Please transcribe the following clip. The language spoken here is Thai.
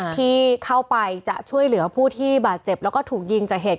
ที่เข้าไปจะช่วยเหลือผู้ที่บาดเจ็บแล้วก็ถูกยิงจากเหตุ